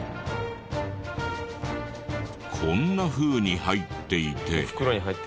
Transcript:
こんなふうに入っていて。